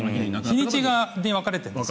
日にちで分かれてるんです。